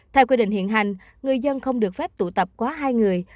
theo quy định hiện hành người dân không được phép tụ tập quá hai người